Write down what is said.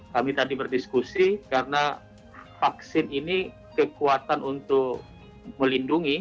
kami tadi berdiskusi karena vaksin ini kekuatan untuk melindungi